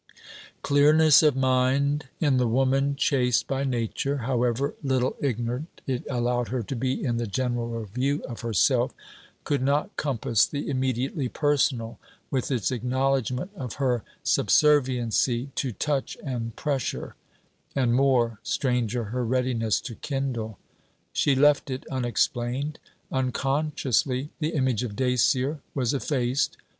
Clearness of mind in the woman chaste by nature, however little ignorant it allowed her to be in the general review of herself, could not compass the immediately personal, with its acknowledgement of her subserviency to touch and pressure and more, stranger, her readiness to kindle. She left it unexplained. Unconsciously the image of Dacier was effaced.